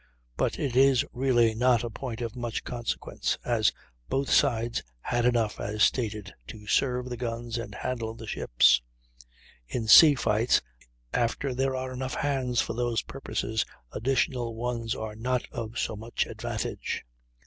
But it is really not a point of much consequence, as both sides had enough, as stated, to serve the guns and handle the ships. In sea fights, after there are enough hands for those purposes additional ones are not of so much advantage.